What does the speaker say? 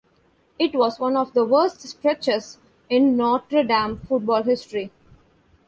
It was one of the worst stretches in Notre Dame football history.